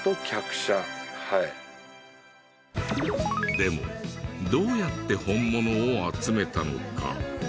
でもどうやって本物を集めたのか？